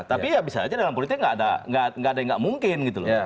tapi ya bisa aja dalam politiknya enggak ada yang enggak mungkin gitu loh